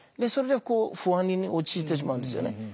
それでこう不安に陥ってしまうんですよね。